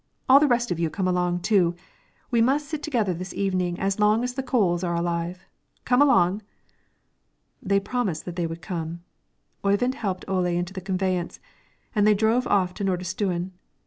All the rest of you come along, too; we must sit together this evening as long as the coals are alive. Come along!" They promised that they would come. Oyvind helped Ole into the conveyance, and they drove off to Nordistuen.